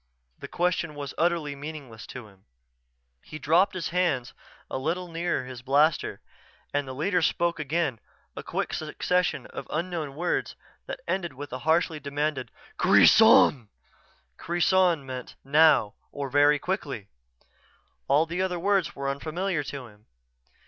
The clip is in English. The question was utterly meaningless to him. He dropped his hand a little nearer his blaster as the leader spoke again; a quick succession of unknown words that ended with a harshly demanding "kreson!" Kreson meant "now," or "very quickly." All the other words were unfamiliar to him.